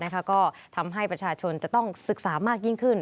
ก็ทำให้ประชาชนจะต้องศึกษามากยิ่งขึ้น